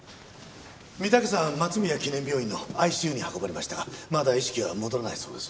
御岳山松宮記念病院のＩＣＵに運ばれましたがまだ意識は戻らないそうです。